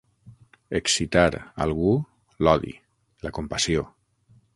Excitar, algú, l'odi, la compassió.